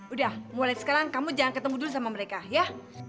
udah mulai sekarang kamu jangan ketemu dulu sama mereka ya